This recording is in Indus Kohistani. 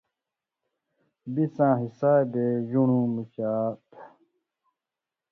بے څاں حسابے ژُن٘ڑوں مُچاتھہ،